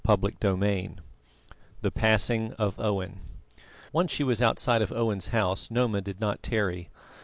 CHAPTER XVIII THE PASSING OF OWEN Once she was outside of Owen's house, Noma did not tarry.